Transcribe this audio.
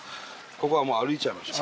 ここはもう歩いちゃいましょう。